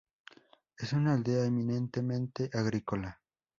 Es un aldea eminentemente agrícola.